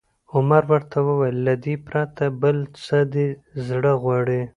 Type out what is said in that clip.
عمر ورته وویل: له دې پرته، بل څه دې زړه غواړي؟